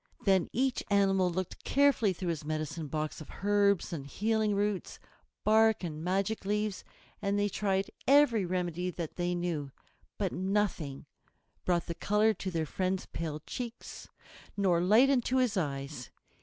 Then each animal looked carefully through his medicine box of herbs and healing roots, bark and magic leaves, and they tried every remedy that they knew. But nothing brought the color to their friend's pale cheeks, nor light into his eyes.